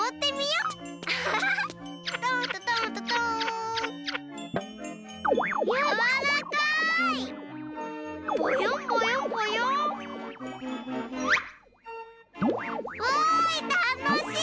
うわいたのしい！